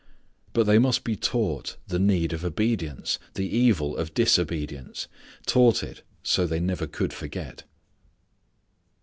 But they must be taught the need of obedience, the evil of disobedience. Taught it so they never could forget.